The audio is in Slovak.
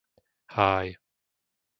Háj